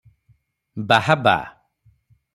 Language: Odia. ବାହାବା!